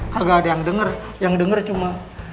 kagak ada yang denger yang denger cuma